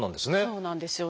そうなんですよ。